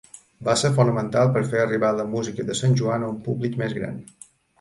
Va ser fonamental per fer arribar la música de Sant Joan a un públic més gran.